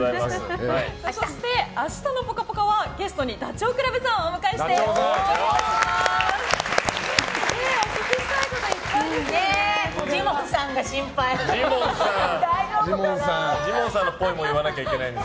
そして明日の「ぽかぽか」はゲストにダチョウ倶楽部さんをお迎えしてお送りいたします。